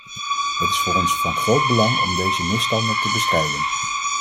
Het is voor ons van groot belang om deze misstanden te bestrijden.